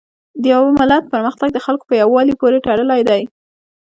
د یو ملت پرمختګ د خلکو په یووالي پورې تړلی دی.